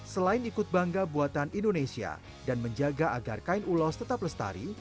selain ikut bangga buatan indonesia dan menjaga agar kain ulos tetap lestari